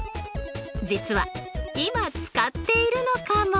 実は今使っているのかも。